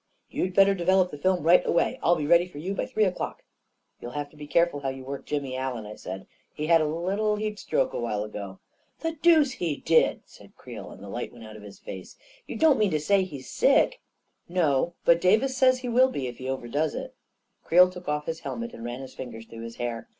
" You'd better develop the film right away. I'll be ready for you by three o'clock." " You'll have to be careful how you work Jimmy Allen," I said. " He had a little heat stroke a while ago. "The deuce he did!" said Creel, and the light went out of his face. " You don't mean to say he's sick!" i 4 8 A KING IN BABYLON 11 No ; but Davis says he will be if he over does it" Creel took off his helmet and ran his fingers through his hair.